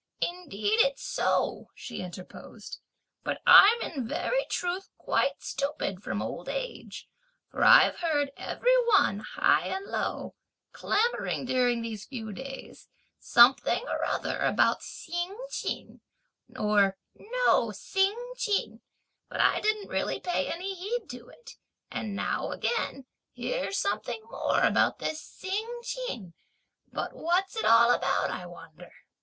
"Indeed it's so!" she interposed; "But I'm in very truth quite stupid from old age, for I've heard every one, high and low, clamouring during these few days, something or other about 'Hsing Ch'in' or no 'Hsing Ch'in,' but I didn't really pay any heed to it; and now again, here's something more about this 'Hsing Ch'in,' but what's it all about, I wonder?"